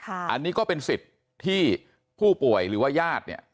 อันนี้ก็เป็นสิทธิ์ที่ผู้ป่วยหรือว่าญาติเนี่ย